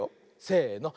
せの。